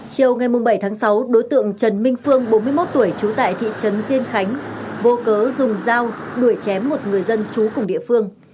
chiều ngày bảy tháng sáu đối tượng trần minh phương bốn mươi một tuổi trú tại thị trấn diên khánh vô cớ dùng dao đuổi chém một người dân trú cùng địa phương